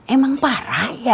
emang parah ya